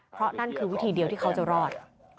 เพราะนั่นคือวิธีเดียวที่เขาจะรอด